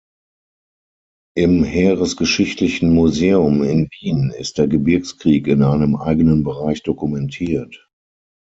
Im Heeresgeschichtlichen Museum in Wien ist der Gebirgskrieg in einem eigenen Bereich dokumentiert.